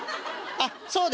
ああそうだ。